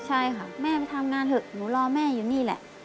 ใช่ค่ะแม่ไปทำงานเถอะหนูรอแม่อยู่นี่แหละ